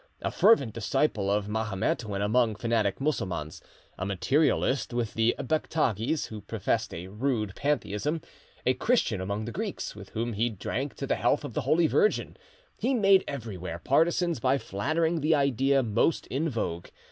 A fervent disciple of Mahomet when among fanatic Mussulmans, a materialist with the Bektagis who professed a rude pantheism, a Christian among the Greeks, with whom he drank to the health of the Holy Virgin, he made everywhere partisans by flattering the idea most in vogue.